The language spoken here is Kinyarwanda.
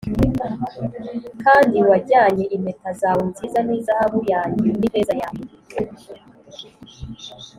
Kandi wajyanye impeta zawe nziza z’izahabu yanjye n’ifeza yanjye